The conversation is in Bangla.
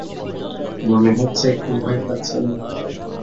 মনে হচ্ছে একটু ভয় পাচ্ছেন।